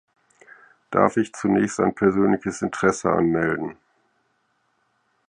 Darf ich zunächst ein persönliches Interesse anmelden?